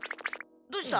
どうした？